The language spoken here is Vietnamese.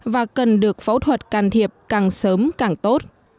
và cần được phẫu thuật can thiệp càng sớm càng tốt